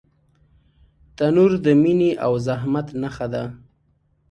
تنور د مینې او زحمت نښه ده